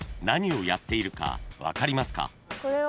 ［何をやっているか分かりますか？］